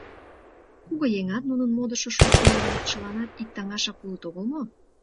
Кугыеҥат нунын модышыш ушнен гын, чыланат ик таҥашак улыт огыл мо?